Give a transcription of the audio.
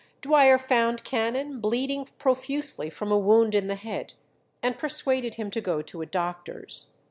Dwyer found Cannon bleeding profusely from a wound in the head, and persuaded him to go to a doctor's.